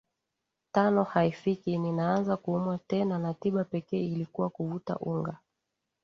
tano haifiki ninaanza kuumwa tena na tiba pekee ilikuwa kuvuta unga